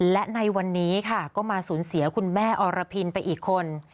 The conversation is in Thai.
และในวันนี้ค่ะก็มาสูญเสียคุณแม่อรพินไปอีกคน